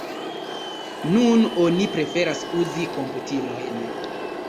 Nun oni preferas uzi komputilojn.